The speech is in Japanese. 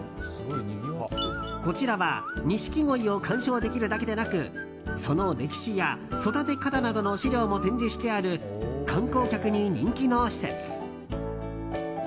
こちらはニシキゴイを観賞できるだけでなくその歴史や育て方などの資料も展示してある観光客に人気の施設。